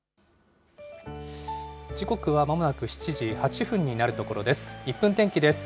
時刻はまもなく７時８分になるところです。